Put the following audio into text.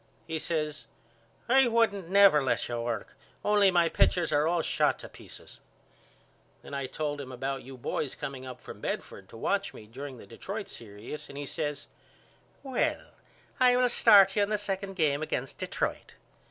He says I wouldn't never let you work only my pitchers are all shot to pieces. Then I told him about you boys coming up from Bedford to watch me during the Detroit serious and he says Well I will start you in the second game against Detroit.